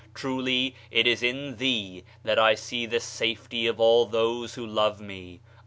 Truly it is in thee that I see the safety of all those who love me